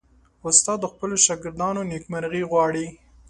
استاد د خپلو شاګردانو نیکمرغي غواړي.